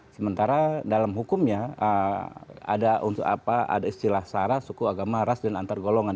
sementara dalam hukumnya ada istilah sara suku agama ras dan antar golongan